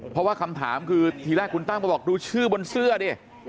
เพราะว่าคำถามคือทีแรกคุณตั้งก็บอกดูชื่อบนเสื้อดิ